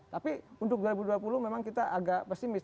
tapi untuk dua ribu dua puluh memang kita agak pesimis